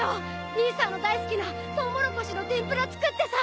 兄さんの大好きなトウモロコシの天ぷら作ってさ。